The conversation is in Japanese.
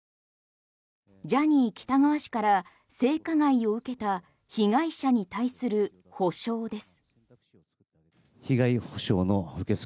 ジャニー喜多川氏から性加害を受けた被害者に対する報償です。